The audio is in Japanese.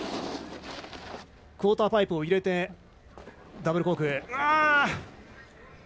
クオーターパイプを入れてダブルコーク。